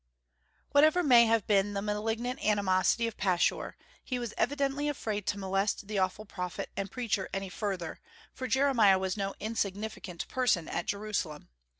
Whatever may have been the malignant animosity of Pashur, he was evidently afraid to molest the awful prophet and preacher any further, for Jeremiah was no insignificant person at Jerusalem.